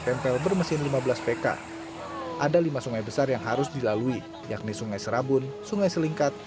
tempel bermesin lima belas pk ada lima sungai besar yang harus dilalui yakni sungai serabun sungai selingkat